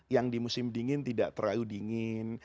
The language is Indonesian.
yang di musim dingin tidak terlalu dingin